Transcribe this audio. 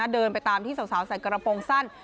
เดินไปตามที่สาวใส่กระโปรงสั้น